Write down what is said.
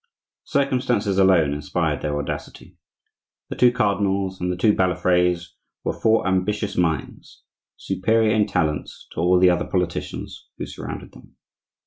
Circumstances alone inspired their audacity. The two cardinals and the two Balafres were four ambitious minds, superior in talents to all the other politicians who surrounded them.